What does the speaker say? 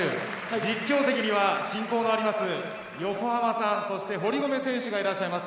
実況席には親交のあります、横浜さん堀米選手がいらっしゃいます。